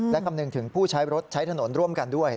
และคำนึงถึงผู้ใช้รถใช้ถนนร่วมกันด้วย